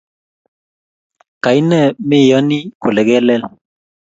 Kaine meyonii kole keleel?